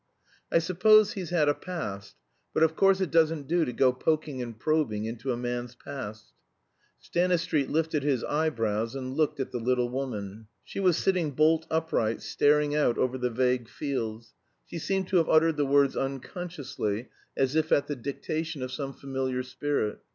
"I suppose he's had a past. But of course it doesn't do to go poking and probing into a man's past " Stanistreet lifted his eyebrows and looked at the little woman. She was sitting bolt upright, staring out over the vague fields; she seemed to have uttered the words unconsciously, as if at the dictation of some familiar spirit.